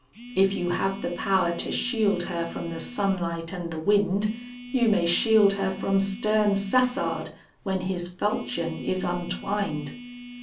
"If you have the power to shield her from the sunlight and the wind, You may shield her from stern Sassard when his falchion is untwined."